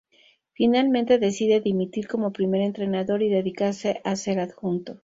Finalmente decide dimitir como primer entrenador y dedicarse a ser adjunto.